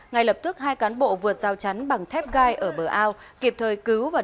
ngay lập tức hai cán bộ vượt rào chắn bằng thép gai ở bờ ao kịp thời cứu và